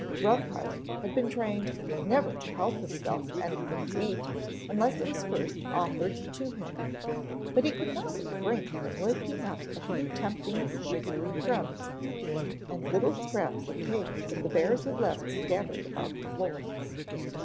Rough House had been trained never to help himself to anything to eat unless it was first offered to him. But he could not refrain from licking up a few tempting, sugary crumbs, and little scraps of cake that the bears had left scattered about the floor.